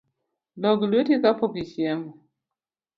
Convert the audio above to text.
Log lueti kapok ichiemo